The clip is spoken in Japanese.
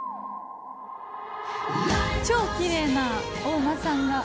超きれいなお馬さんが。